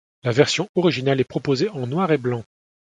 La version originale est proposée en noir et blanc.